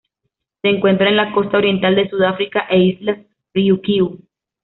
Se encuentra en la costa oriental de Sudáfrica e Islas Ryukyu.